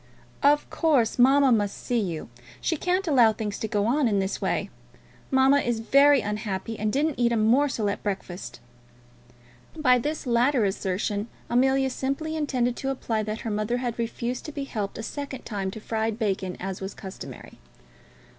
"Of course, mamma must see you. She can't allow things to go on in this way. Mamma is very unhappy, and didn't eat a morsel of breakfast." By this latter assertion Amelia simply intended to imply that her mother had refused to be helped a second time to fried bacon, as was customary.